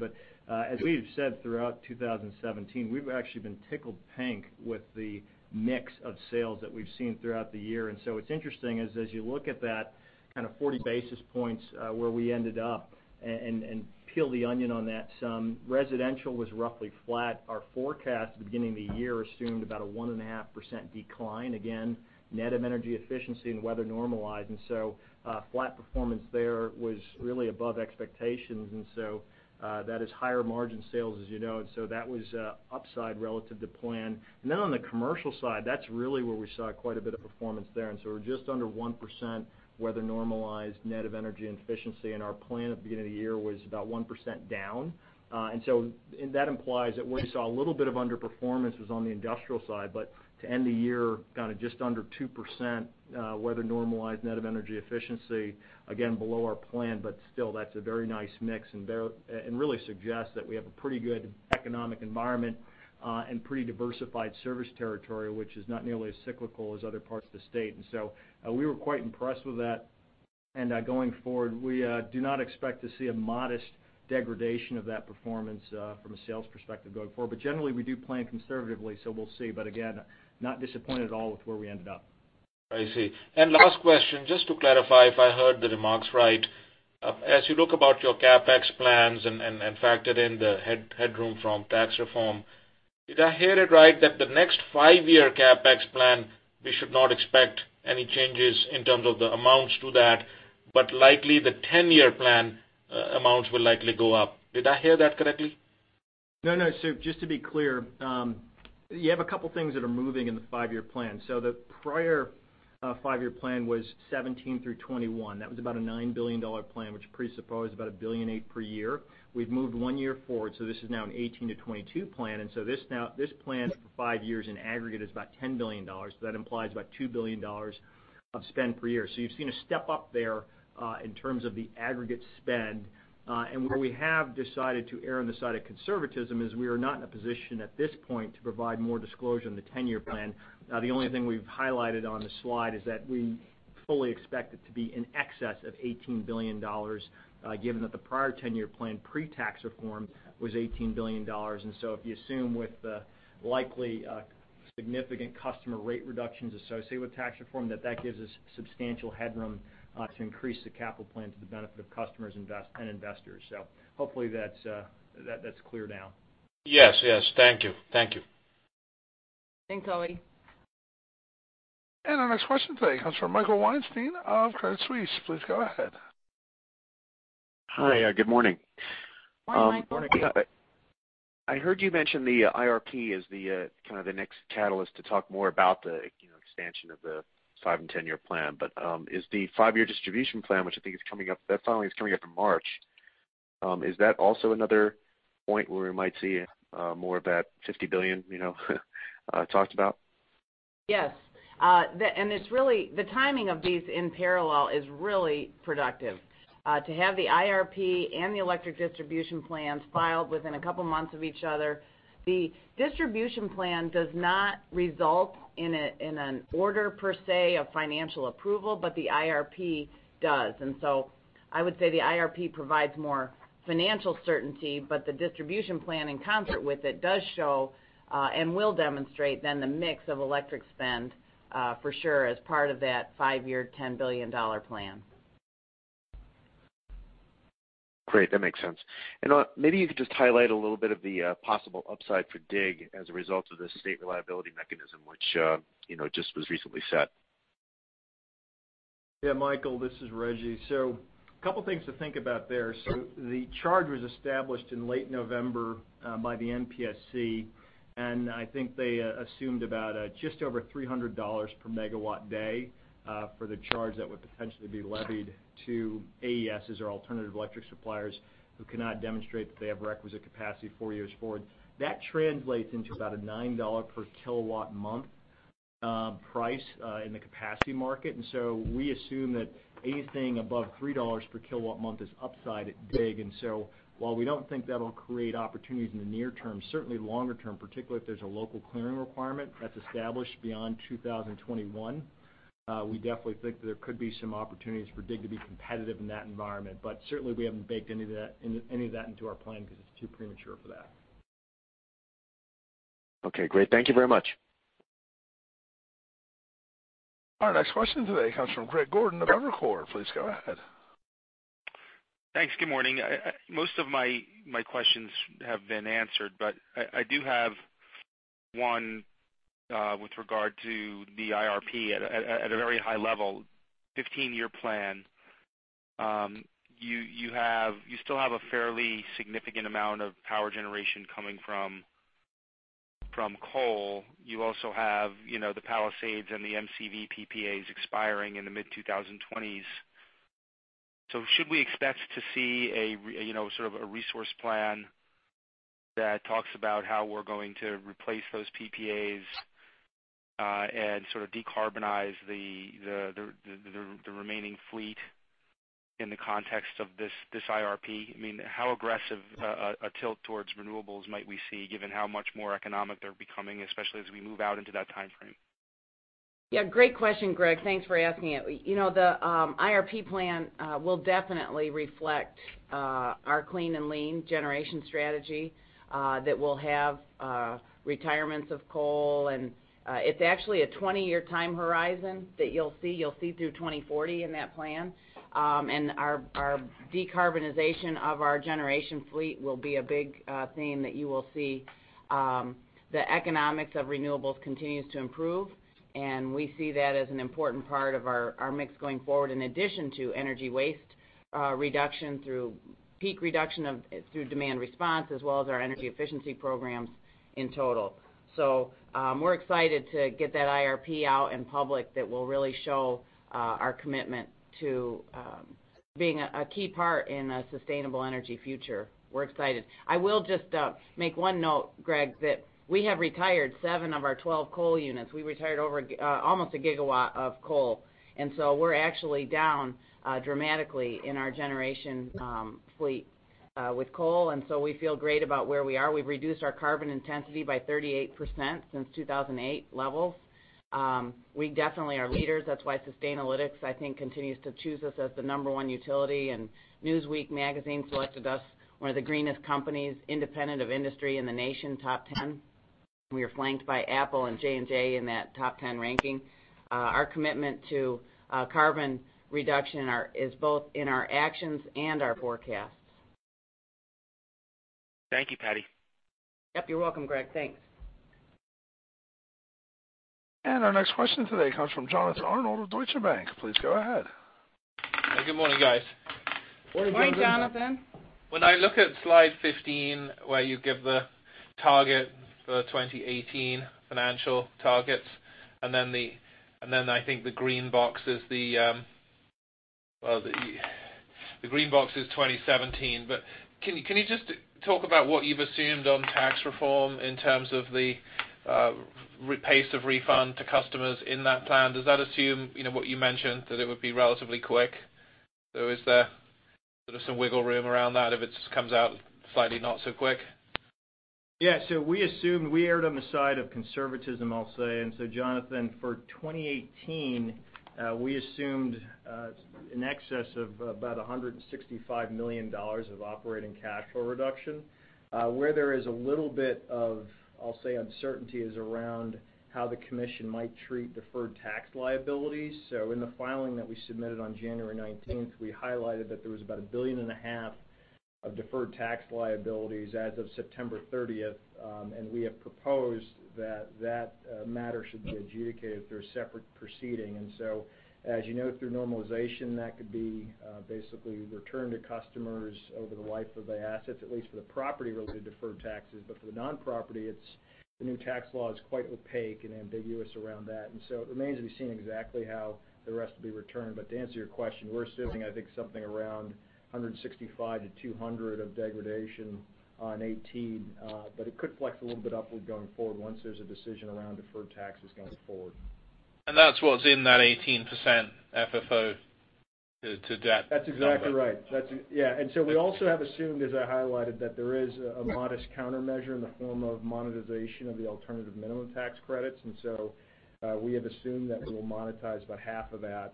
As we have said throughout 2017, we've actually been tickled pink with the mix of sales that we've seen throughout the year. What's interesting is, as you look at that kind of 40 basis points where we ended up, peel the onion on that some, residential was roughly flat. Our forecast at the beginning of the year assumed about a one and a half percent decline, again, net of energy efficiency and weather normalized. Flat performance there was really above expectations, that is higher margin sales, as you know. That was upside relative to plan. On the commercial side, that's really where we saw quite a bit of performance there. We're just under 1% weather normalized net of energy and efficiency, our plan at the beginning of the year was about 1% down. That implies that where we saw a little bit of underperformance was on the industrial side, to end the year kind of just under 2%, weather-normalized net of energy efficiency, again, below our plan, still that's a very nice mix and really suggests that we have a pretty good economic environment, pretty diversified service territory, which is not nearly as cyclical as other parts of the state. We were quite impressed with that. Going forward, we do not expect to see a modest degradation of that performance from a sales perspective going forward. Generally, we do plan conservatively, so we'll see. Again, not disappointed at all with where we ended up. I see. Last question, just to clarify if I heard the remarks right. As you look about your CapEx plans and factor in the headroom from tax reform, did I hear it right that the next five-year CapEx plan, we should not expect any changes in terms of the amounts to that, likely the 10-year plan amounts will likely go up. Did I hear that correctly? No, just to be clear, you have a couple things that are moving in the five-year plan. The prior five-year plan was 2017 through 2021. That was about a $9 billion plan, which presupposes about $1.8 billion per year. We've moved one year forward, this is now a 2018 to 2022 plan. This plan for five years in aggregate is about $10 billion. That implies about $2 billion of spend per year. You've seen a step up there in terms of the aggregate spend. Where we have decided to err on the side of conservatism is we are not in a position at this point to provide more disclosure on the 10-year plan. The only thing we've highlighted on the slide is that we fully expect it to be in excess of $18 billion, given that the prior 10-year plan pre-tax reform was $18 billion. If you assume with the likely significant customer rate reductions associated with tax reform, that that gives us substantial headroom to increase the capital plan to the benefit of customers and investors. Hopefully that's clear now. Yes. Thank you. Thanks, Oli. Our next question today comes from Michael Weinstein of Credit Suisse. Please go ahead. Hi. Good morning. Morning, Michael. Morning. I heard you mention the IRP as the next catalyst to talk more about the expansion of the five- and 10-year plan. Is the five-year distribution plan, which I think that finally is coming up in March, is that also another point where we might see more of that $50 billion talked about? Yes. The timing of these in parallel is really productive. To have the IRP and the electric distribution plans filed within a couple of months of each other. The distribution plan does not result in an order, per se, of financial approval, but the IRP does. I would say the IRP provides more financial certainty, but the distribution plan in concert with it does show, and will demonstrate then the mix of electric spend for sure as part of that five-year, $10 billion plan. Great. That makes sense. Maybe you could just highlight a little bit of the possible upside for DIG as a result of the state reliability mechanism, which just was recently set. Yeah, Michael, this is Reggie. A couple things to think about there. The charge was established in late November by the MPSC, and I think they assumed about just over $300 per megawatt day for the charge that would potentially be levied to AESs, or alternative electric suppliers, who cannot demonstrate that they have requisite capacity four years forward. That translates into about a $9 per kilowatt a month price in the capacity market. We assume that anything above $3 per kilowatt a month is upside at DIG. While we don't think that'll create opportunities in the near term, certainly longer term, particularly if there's a local clearing requirement that's established beyond 2021, we definitely think there could be some opportunities for DIG to be competitive in that environment. Certainly we haven't baked any of that into our plan because it's too premature for that. Okay, great. Thank you very much. Our next question today comes from Greg Gordon of Evercore. Please go ahead. Thanks. Good morning. Most of my questions have been answered, but I do have one, with regard to the IRP at a very high level, 15-year plan. Should we expect to see a sort of a resource plan that talks about how we're going to replace those PPAs, and sort of decarbonize the remaining fleet in the context of this IRP? I mean, how aggressive a tilt towards renewables might we see given how much more economic they're becoming, especially as we move out into that timeframe? Yeah, great question, Greg. Thanks for asking it. The IRP plan will definitely reflect our clean and lean generation strategy, that will have retirements of coal, and it's actually a 20-year time horizon that you'll see. You'll see through 2040 in that plan. Our decarbonization of our generation fleet will be a big theme that you will see. The economics of renewables continues to improve, and we see that as an important part of our mix going forward, in addition to energy waste reduction through peak reduction through demand response, as well as our energy efficiency programs in total. We're excited to get that IRP out in public that will really show our commitment to being a key part in a sustainable energy future. We're excited. I will just make one note, Greg, that we have retired seven of our 12 coal units. We retired almost a gigawatt of coal, so we're actually down dramatically in our generation fleet with coal, so we feel great about where we are. We've reduced our carbon intensity by 38% since 2008 levels. We definitely are leaders. That's why Sustainalytics, I think, continues to choose us as the number one utility, and Newsweek Magazine selected us one of the greenest companies, independent of industry in the nation, top 10. We are flanked by Apple and J&J in that top 10 ranking. Our commitment to carbon reduction is both in our actions and our forecasts. Thank you, Patti. Yep, you're welcome, Greg. Thanks. Our next question today comes from Jonathan Arnold of Deutsche Bank. Please go ahead. Good morning, guys. Morning, Jonathan. When I look at slide 15, where you give the target for 2018 financial targets, I think the green box is 2017. Can you just talk about what you've assumed on tax reform in terms of the pace of refund to customers in that plan? Does that assume, what you mentioned, that it would be relatively quick? Is there sort of some wiggle room around that if it comes out slightly not so quick? We erred on the side of conservatism, I'll say. Jonathan, for 2018, we assumed in excess of about $165 million of operating cash flow reduction. Where there is a little bit of, I'll say, uncertainty is around how the commission might treat deferred tax liabilities. In the filing that we submitted on January 19th, we highlighted that there was about a billion and a half of deferred tax liabilities as of September 30th, we have proposed that that matter should be adjudicated through a separate proceeding. As you note through normalization, that could be basically returned to customers over the life of the assets, at least for the property-related deferred taxes. For the non-property, the new tax law is quite opaque and ambiguous around that. It remains to be seen exactly how the rest will be returned. To answer your question, we're assuming, I think, something around $165-$200 of degradation on 2018. It could flex a little bit upward going forward once there's a decision around deferred taxes going forward. That's what's in that 18% FFO to debt number? That's exactly right. Yeah. We also have assumed, as I highlighted, that there is a modest countermeasure in the form of monetization of the alternative minimum tax credits. We have assumed that we will monetize about half of that.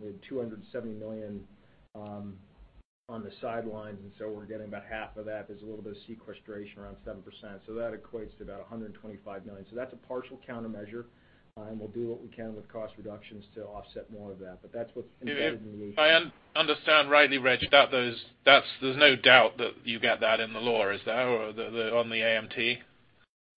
We had $270 million on the sidelines, and so we're getting about half of that. There's a little bit of sequestration around 7%. That equates to about $125 million. That's a partial countermeasure, and we'll do what we can with cost reductions to offset more of that. That's what's embedded in the If I understand rightly, Rejji, there's no doubt that you get that in the law, is there, on the AMT?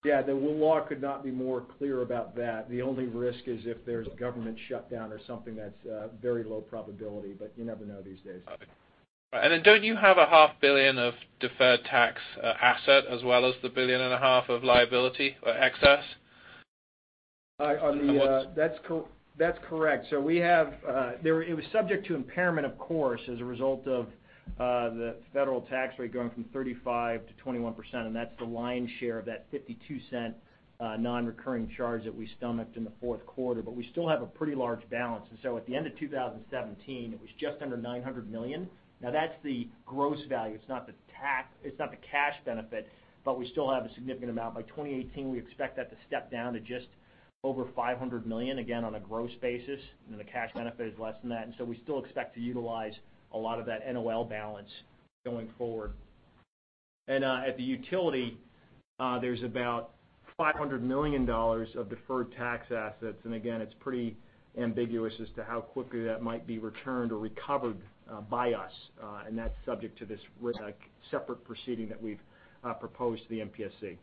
Yeah, the law could not be more clear about that. The only risk is if there's government shutdown or something that's very low probability. You never know these days. Okay. Don't you have a half billion of deferred tax asset as well as the billion and a half of liability or excess? That's correct. It was subject to impairment, of course, as a result of the federal tax rate going from 35% to 21%. That's the lion's share of that $0.52 non-recurring charge that we stomached in the fourth quarter. We still have a pretty large balance. At the end of 2017, it was just under $900 million. That's the gross value. It's not the cash benefit, but we still have a significant amount. By 2018, we expect that to step down to just over $500 million, again, on a gross basis. The cash benefit is less than that. We still expect to utilize a lot of that NOL balance going forward. At the utility, there's about $500 million of deferred tax assets. Again, it's pretty ambiguous as to how quickly that might be returned or recovered by us. That's subject to this separate proceeding that we've proposed to the MPSC.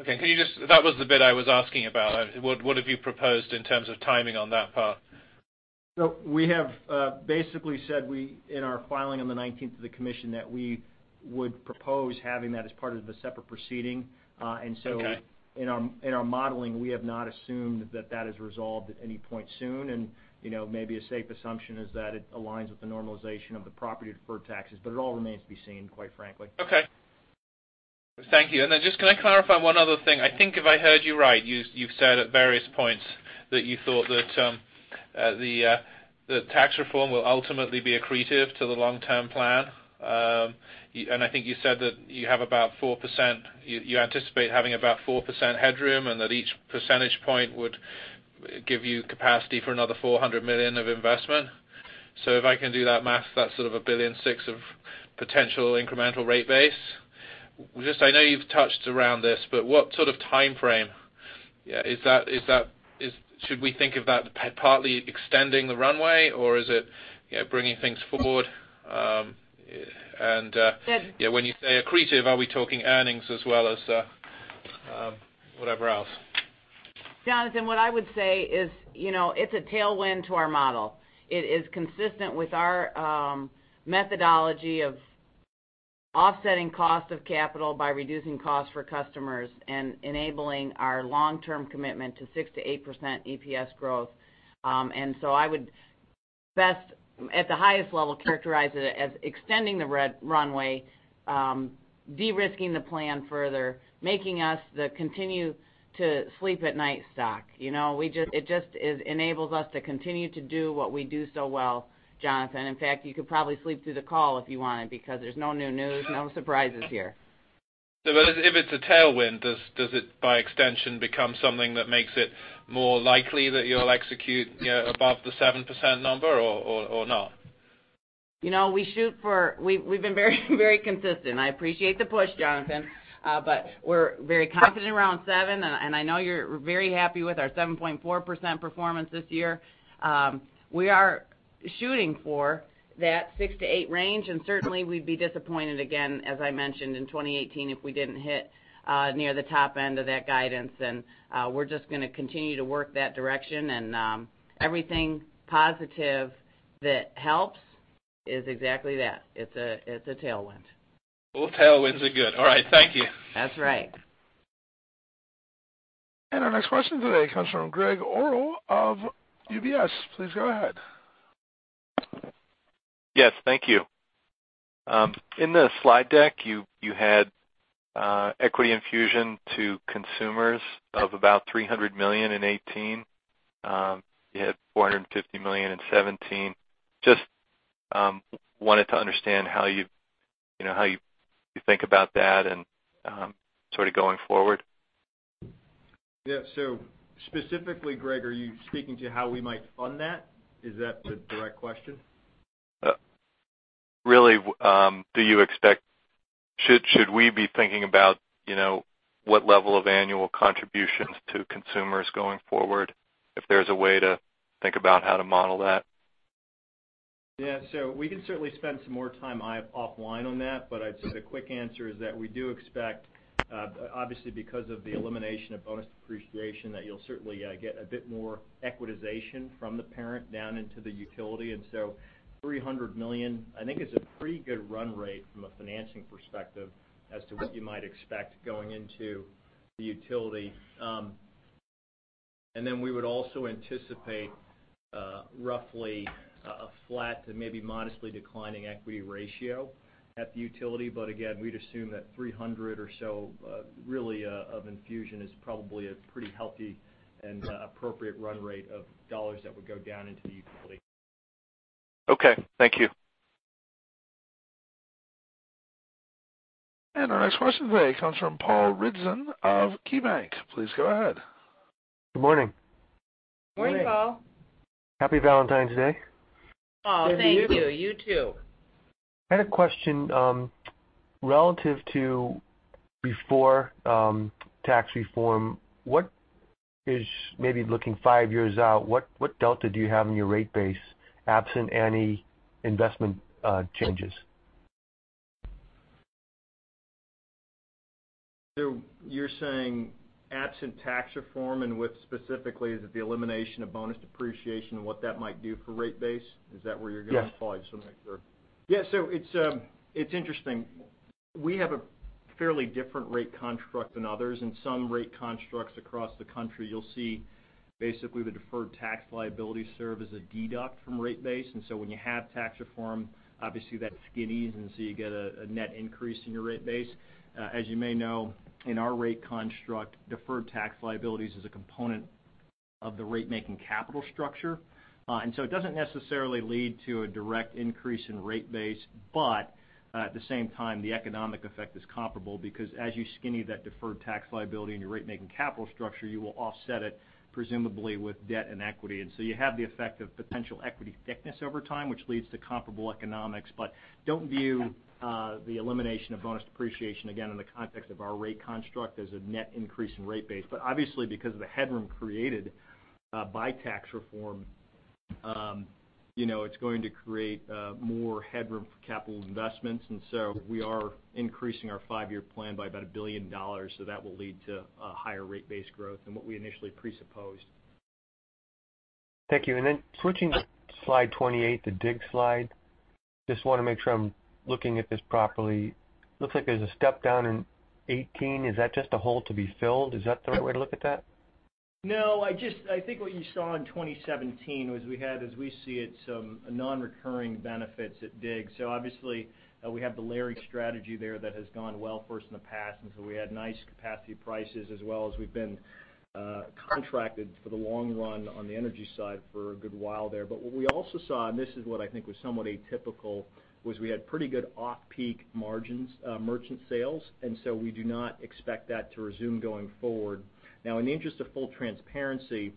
Okay. That was the bit I was asking about. What have you proposed in terms of timing on that part? We have basically said in our filing on the 19th to the commission that we would propose having that as part of the separate proceeding. Okay. In our modeling, we have not assumed that that is resolved at any point soon. Maybe a safe assumption is that it aligns with the normalization of the property deferred taxes, but it all remains to be seen, quite frankly. Okay. Thank you. Just can I clarify one other thing? I think if I heard you right, you've said at various points that you thought that the tax reform will ultimately be accretive to the long-term plan. I think you said that you anticipate having about 4% headroom and that each percentage point would give you capacity for another $400 million of investment. If I can do that math, that's sort of $1.6 billion of potential incremental rate base. Just I know you've touched around this, but what sort of timeframe is that? Should we think of that partly extending the runway or is it bringing things forward? [inaudible] When you say accretive, are we talking earnings as well as whatever else? Jonathan, what I would say is, it's a tailwind to our model. It is consistent with our methodology of offsetting cost of capital by reducing costs for customers and enabling our long-term commitment to 6%-8% EPS growth. I would best at the highest level, characterize it as extending the runway, de-risking the plan further, making us the continue-to-sleep-at-night stock. It just enables us to continue to do what we do so well, Jonathan. In fact, you could probably sleep through the call if you wanted because there's no new news, no surprises here. If it's a tailwind, does it by extension become something that makes it more likely that you'll execute above the 7% number or not? We've been very consistent. I appreciate the push, Jonathan. We're very confident around seven, and I know you're very happy with our 7.4% performance this year. We are shooting for that 6%-8% range, and certainly we'd be disappointed again, as I mentioned in 2018, if we didn't hit near the top end of that guidance. We're just going to continue to work that direction and everything positive that helps is exactly that. It's a tailwind. All tailwinds are good. All right. Thank you. That's right. Our next question today comes from Gregg Orrill of UBS. Please go ahead. Yes, thank you. In the slide deck, you had equity infusion to consumers of about $300 million in 2018. You had $450 million in 2017. Just wanted to understand how you think about that and sort of going forward. Specifically, Greg, are you speaking to how we might fund that? Is that the direct question? Really, should we be thinking about what level of annual contributions to Consumers Energy going forward, if there's a way to think about how to model that? We can certainly spend some more time offline on that, but I'd say the quick answer is that we do expect, obviously because of the elimination of bonus depreciation, that you'll certainly get a bit more equitization from the parent down into the utility. $300 million, I think is a pretty good run rate from a financing perspective as to what you might expect going into the utility. We would also anticipate roughly a flat to maybe modestly declining equity ratio at the utility. Again, we'd assume that $300 or so, really of infusion is probably a pretty healthy and appropriate run rate of dollars that would go down into the utility. Okay. Thank you. Our next question today comes from Paul Ridzon of KeyBanc. Please go ahead. Good morning. Morning, Paul. Happy Valentine's Day. Thank you. You too. I had a question. Relative to before tax reform, maybe looking five years out, what delta do you have in your rate base absent any investment changes? You're saying absent tax reform, and specifically, is it the elimination of bonus depreciation and what that might do for rate base? Is that where you're going? Yes. Paul, I just want to make sure. Yeah. It's interesting. We have a fairly different rate construct than others. In some rate constructs across the country, you'll see basically the deferred tax liability serve as a deduct from rate base. When you have tax reform, obviously that skinnies and so you get a net increase in your rate base. As you may know, in our rate construct, deferred tax liabilities is a component of the rate-making capital structure. It doesn't necessarily lead to a direct increase in rate base. At the same time, the economic effect is comparable because as you skinny that deferred tax liability in your rate-making capital structure, you will offset it presumably with debt and equity. You have the effect of potential equity thickness over time, which leads to comparable economics. Don't view the elimination of bonus depreciation, again, in the context of our rate construct as a net increase in rate base. Obviously, because of the headroom created by tax reform, it's going to create more headroom for capital investments. We are increasing our five-year plan by about $1 billion. That will lead to a higher rate base growth than what we initially presupposed. Thank you. Switching to slide 28, the DIG slide. Just want to make sure I'm looking at this properly. Looks like there's a step-down in 2018. Is that just a hole to be filled? Is that the right way to look at that? No, I think what you saw in 2017 was we had, as we see it, some non-recurring benefits at DIG. Obviously, we have the layering strategy there that has gone well for us in the past, and so we had nice capacity prices as well as we've been contracted for the long run on the energy side for a good while there. What we also saw, and this is what I think was somewhat atypical, was we had pretty good off-peak margins merchant sales, and so we do not expect that to resume going forward. Now, in the interest of full transparency,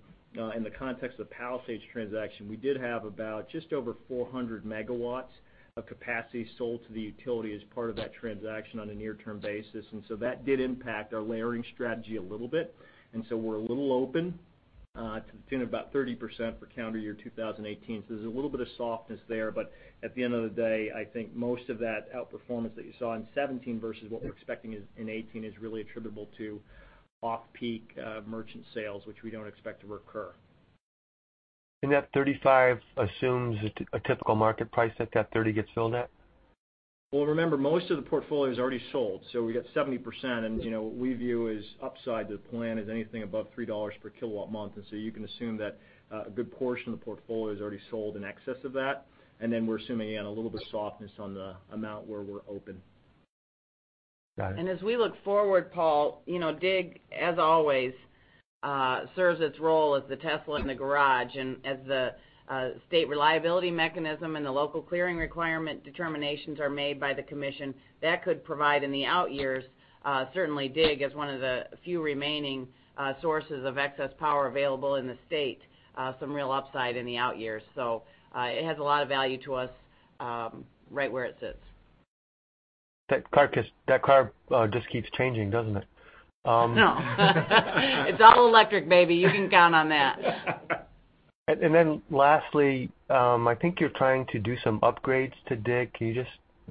in the context of the Palisades transaction, we did have about just over 400 megawatts of capacity sold to the utility as part of that transaction on a near-term basis. That did impact our layering strategy a little bit. We're a little open to the tune of about 30% for calendar year 2018. There's a little bit of softness there, but at the end of the day, I think most of that outperformance that you saw in 2017 versus what we're expecting in 2018 is really attributable to off-peak merchant sales, which we don't expect to recur. That 35 assumes a typical market price that 30 gets filled at? Well, remember, most of the portfolio is already sold, so we got 70%. What we view as upside to the plan is anything above $3 per kilowatt month. You can assume that a good portion of the portfolio is already sold in excess of that. Then we're assuming a little bit of softness on the amount where we're open. Got it. As we look forward, Paul, DIG, as always, serves its role as the Tesla in the garage. As the state reliability mechanism and the local clearing requirement determinations are made by the commission, that could provide in the out years, certainly DIG is one of the few remaining sources of excess power available in the state, some real upside in the out years. It has a lot of value to us right where it sits. That car just keeps changing, doesn't it? No. It's all electric, baby. You can count on that. Lastly, I think you're trying to do some upgrades to DIG. Can you just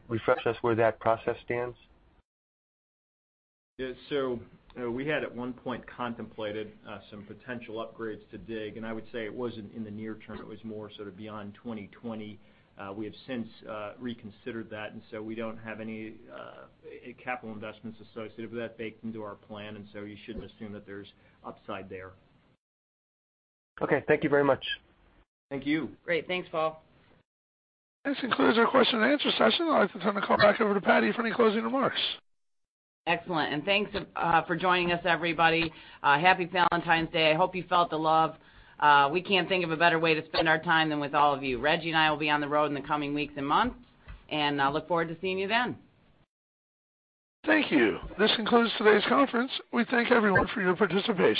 refresh us where that process stands? Yeah. We had at one point contemplated some potential upgrades to DIG, and I would say it wasn't in the near term. It was more sort of beyond 2020. We have since reconsidered that. We don't have any capital investments associated with that baked into our plan. You shouldn't assume that there's upside there. Okay. Thank you very much. Thank you. Great. Thanks, Paul. This concludes our question and answer session. I'd like to turn the call back over to Patti for any closing remarks. Excellent. Thanks for joining us, everybody. Happy Valentine's Day. I hope you felt the love. We can't think of a better way to spend our time than with all of you. Rejji and I will be on the road in the coming weeks and months, I look forward to seeing you then. Thank you. This concludes today's conference. We thank everyone for your participation.